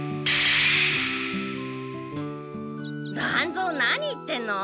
団蔵何言ってんの？